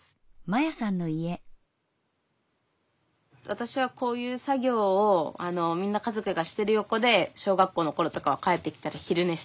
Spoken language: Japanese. わたしはこういう作業をみんな家族がしてる横で小学校のころとかは帰ってきたらひるねしたりとか。